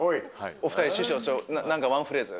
お２人、師匠、なんかワンフレーズ。